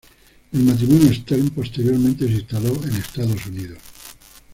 El matrimonio Stern posteriormente se instaló en Estados Unidos.